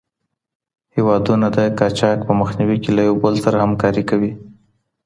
هیوادونه د قاچاق په مخنیوي کي له یو بل سره همکاري کوي.